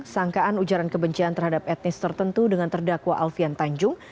sangkaan ujaran kebencian terhadap etnis tertentu dengan terdakwa alfian tanjung